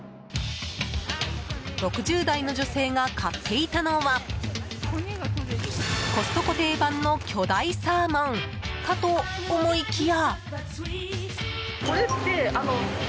６０代の女性が買っていたのはコストコ定番の巨大サーモンかと思いきや。